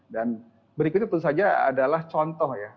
dan berikutnya tentu saja adalah contoh ya